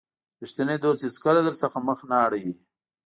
رښتینی دوست هیڅکله درڅخه مخ نه اړوي.